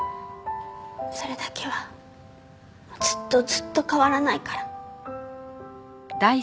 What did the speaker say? それだけはずっとずっと変わらないから。